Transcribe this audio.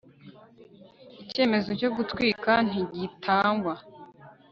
icyemezo cyo gutwika ntigitangwa